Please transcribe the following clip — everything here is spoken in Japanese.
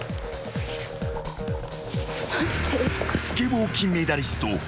［スケボー金メダリスト。